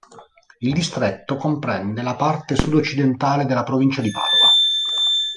Il distretto comprende la parte sud-occidentale della provincia di Padova.